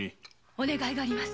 お願いがあります。